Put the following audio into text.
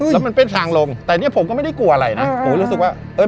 แล้วมันเป็นทางลงแต่เนี้ยผมก็ไม่ได้กลัวอะไรนะผมก็รู้สึกว่าเออ